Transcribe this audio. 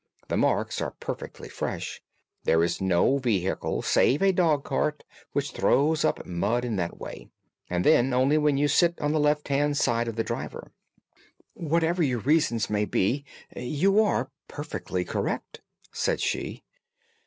The marks are perfectly fresh. There is no vehicle save a dog cart which throws up mud in that way, and then only when you sit on the left hand side of the driver." "Whatever your reasons may be, you are perfectly correct," said she.